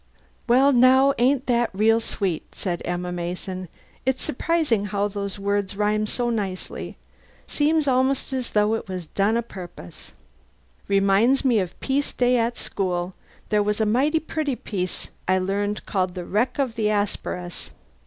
"Well, now, ain't that real sweet!" said Emma Mason. "It's surprising how those words rhyme so nicely. Seems almost as though it was done a purpose! Reminds me of piece day at school. There was a mighty pretty piece I learned called the 'Wreck of the Asperus.'"